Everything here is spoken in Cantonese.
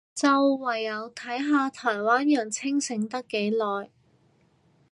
就唯有睇下台灣人清醒得幾耐